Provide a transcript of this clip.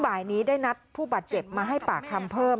บ่ายนี้ได้นัดผู้บาดเจ็บมาให้ปากคำเพิ่ม